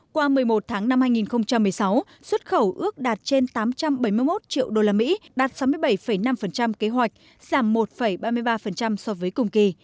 qua một mươi một tháng năm hai nghìn một mươi sáu xuất khẩu ước đạt trên tám trăm bảy mươi một triệu usd đạt sáu mươi bảy năm kế hoạch giảm một ba mươi ba so với cùng kỳ